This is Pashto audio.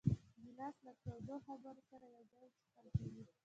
ګیلاس له تودو خبرو سره یو ځای څښل کېږي.